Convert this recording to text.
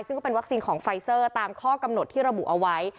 ซึ่งก็เป็นวัคซีนของไฟเซอร์ตามข้อกำหนดที่ระบุเอาไว้